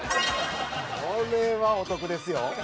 これはお得ですよ。